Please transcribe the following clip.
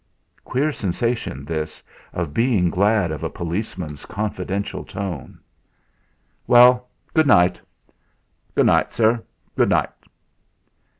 Queer sensation this, of being glad of a policeman's confidential tone! "Well, good night!" "Good night, sir. Good night!"